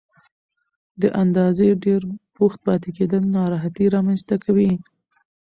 له اندازې ډېر بوخت پاتې کېدل ناراحتي رامنځته کوي.